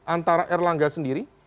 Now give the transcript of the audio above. antara erlangga sendiri